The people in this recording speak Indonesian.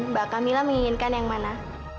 mbak camilla menginginkan yang mana